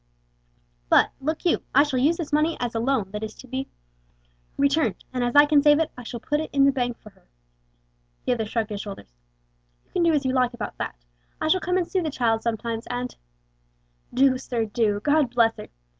But, look you, I shall use this money as a loan that is to be returned; and as I can save it, I shall put it in the bank for her." The other shrugged his shoulders. "You can do as you like about that. I shall come and see the child sometimes, and " "Do, sir, do, God bless her!